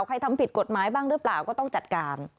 ทำผิดกฎหมายบ้างหรือเปล่าก็ต้องจัดการ